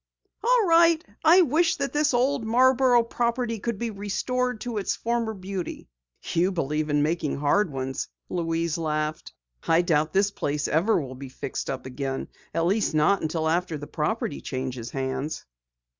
"All right, I wish that this old Marborough property could be restored to its former beauty." "You believe in making hard ones," Louise laughed. "I doubt that this place ever will be fixed up again at least not until after the property changes hands."